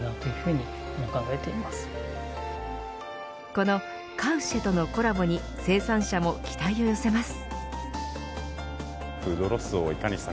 この、カウシェとのコラボに生産者も期待を寄せます。